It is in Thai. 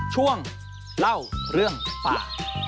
ช่วงเล่าเรื่องป่า